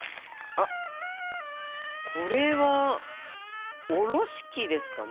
あっこれはおろし器ですかね。